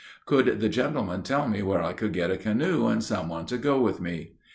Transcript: Could the gentleman tell me where I could get a canoe and some one to go with me?